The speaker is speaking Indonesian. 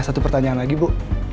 satu pertanyaan lagi bu